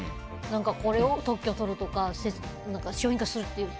これを特許取るとか商品化するっていう。